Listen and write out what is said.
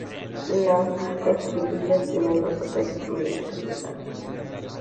Las espiguillas tienen dos o tres milímetros de largo.